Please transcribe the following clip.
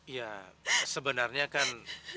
ya sebenarnya kan